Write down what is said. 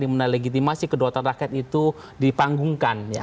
dimana legitimasi kedaulatan rakyat itu dipanggungkan